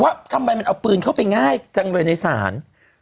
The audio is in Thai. ว่าทำไมมันเอาปืนเข้าไปง่ายจังเลยในศาล